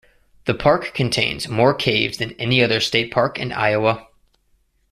The park contains more caves than any other state park in Iowa.